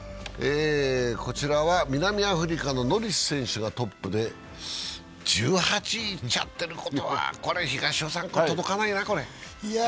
こちらは南アフリカのノリス選手がトップで１８いっちゃってるってことは、これ届かないな。